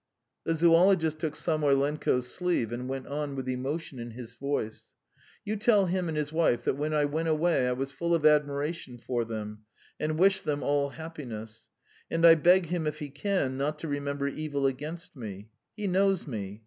The zoologist took Samoylenko's sleeve and went on with emotion in his voice: "You tell him and his wife that when I went away I was full of admiration for them and wished them all happiness ... and I beg him, if he can, not to remember evil against me. He knows me.